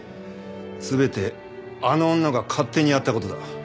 全てあの女が勝手にやった事だ。